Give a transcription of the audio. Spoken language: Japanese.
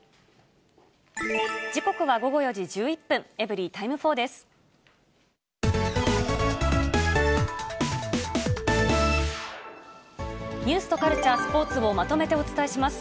時刻は午後４時１１分、エブリィタイム４です。